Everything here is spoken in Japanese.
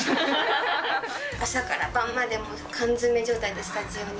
朝から晩までもう、缶詰状態でスタジオに。